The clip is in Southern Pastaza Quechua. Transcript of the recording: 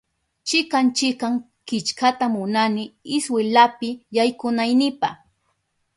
Chikan chikan killkata munani iskwelapi yaykunaynipa